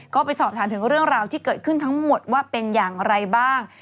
ก็ไปสอบถามถึงเรื่องราวที่เกิดขึ้นทั้งหมดว่าเป็นอย่างไรบ้าง